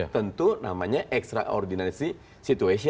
tentu namanya ekstraordinasi situasi